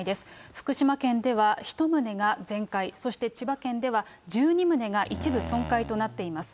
福島県では１棟が全壊、そして千葉県では１２棟が一部損壊となっています。